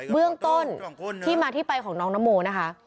เบื้องต้นที่มาที่ไปของน้องนโมนะคะ